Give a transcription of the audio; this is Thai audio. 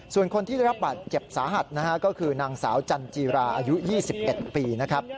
ส่วนคนที่ได้รับบาดเจ็บสาหัสนะฮะก็คือนางสาวจันจีราอายุ๒๑ปีนะครับ